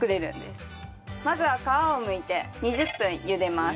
まずは皮をむいて２０分茹でます。